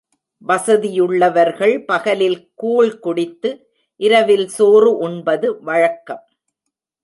வசதியுள்ளவர்கள் பகலில் கூழ்குடித்து, இரவில் சோறு உண்பது வழக்கம்.